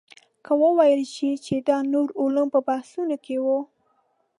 که وویل شي چې دا نور علوم په بحثونو کې وو.